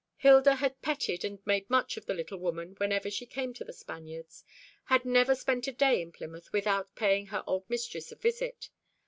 Hilda had petted and made much of the little woman whenever she came to The Spaniards; had never spent a day in Plymouth without paying her old mistress a visit.